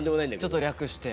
ちょっと略して。